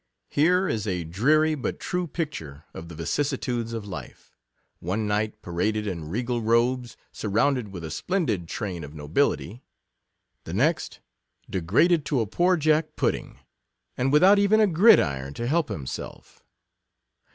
Here is a dreary, but true picture, of the vicissitudes of life — one night paraded in regal robes, surrounded with a splendid train of nobility ; the next, 48 degraded to a poor Jack pudding, and with out even a gridiron to help himself.